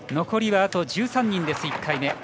残りは、あと１３人、１回目。